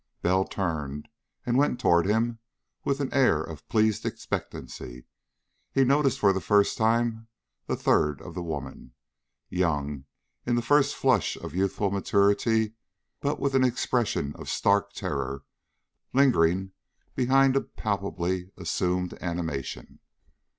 Bell turned and went toward him with an air of pleased expectancy. He noticed for the first time the third of the women. Young, in the first flush of youthful maturity, but with an expression of stark terror lingering behind a palpably assumed animation.